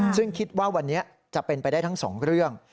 ซึ่งคิดว่าวันนี้จะเป็นไปได้ทั้งสองเรื่อง